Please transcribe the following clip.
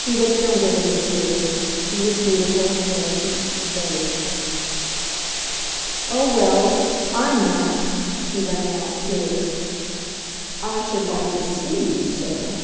He looked younger than his years; he was beautiful, innocent, vague. "Oh, well, I'M not!" he rang out clear. "I should like to SEE you, sir!"